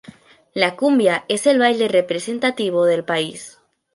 La cumbia es el baile representativo del país.